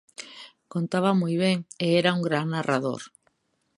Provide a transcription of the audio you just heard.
Contaba moi ben e era un gran narrador.